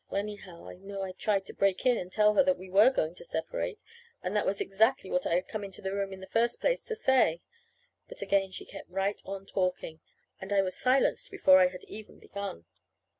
Anyhow, I know I tried to break in and tell her that we were going to separate, and that that was exactly what I had come into the room in the first place to say. But again she kept right on talking, and I was silenced before I had even begun.